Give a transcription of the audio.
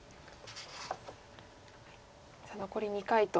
さあ残り２回と。